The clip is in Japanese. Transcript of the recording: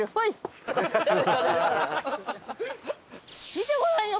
見てごらんよ！